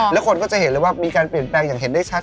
แล้วคนก็จะเห็นเลยว่ามีการเปลี่ยนแปลงอย่างเห็นได้ชัด